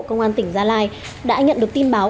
công an tỉnh gia lai đã nhận được tin báo